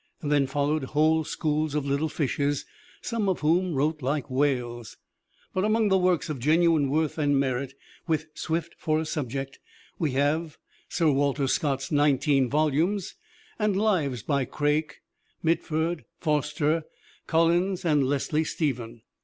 Then followed whole schools of little fishes, some of whom wrote like whales. But among the works of genuine worth and merit, with Swift for a subject, we have Sir Walter Scott's nineteen volumes, and lives by Craik, Mitford, Forster, Collins and Leslie Stephen.